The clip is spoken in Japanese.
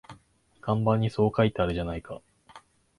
看板にそう書いてあるじゃないか